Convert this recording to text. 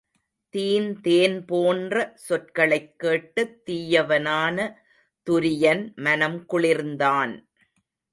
தீந் தேன்போன்ற சொற்களைக் கேட்டுத் தீயவனான துரியன் மனம் குளிர்ந்தான்.